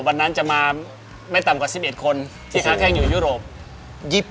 วันนั้นจะมาไม่ต่ำกว่า๑๑คนที่ค้าแข้งอยู่ยุโรป